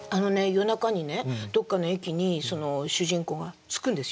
夜中にねどっかの駅に主人公が着くんですよね。